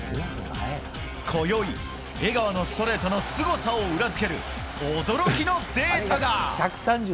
こよい、江川のストレートのすごさを裏付ける驚きのデータが。